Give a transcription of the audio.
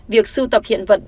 việc sưu tập hiện vật